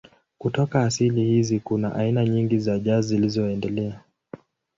Kutoka asili hizi kuna aina nyingi za jazz zilizoendelea.